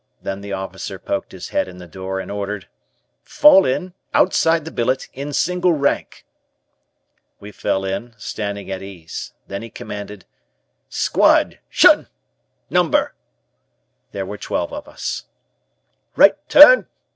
Then the officer poked his head in the door and ordered: "Fall in, outside the billet, in single rank." We fell in, standing at ease. Then he commanded. "Squad 'Shun! Number!" There were twelve of us. "Right Turn!